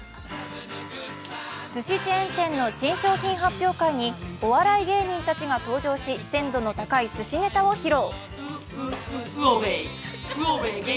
すしチェーン店の新商品発表会にお笑い芸人たちが登場し、鮮度の高いすしネタを披露。